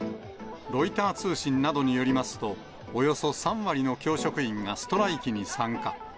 ロイター通信などによりますと、およそ３割の教職員がストライキに参加。